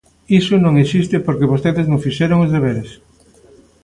Iso non existe porque vostedes non fixeron os deberes.